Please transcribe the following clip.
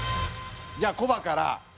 じゃあコバから。